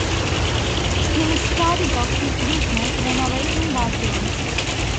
He started off his business renovating bathrooms.